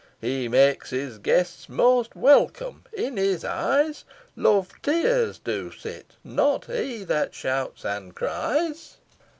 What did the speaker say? He makes his guests most welcome, in his eyes Love tears do sit, not he that shouts and cries.